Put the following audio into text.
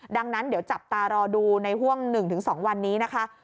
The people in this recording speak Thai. ดังนั้นเดี๋ยวจับตารอดูในห่วง๑๒วันนี้นะคะ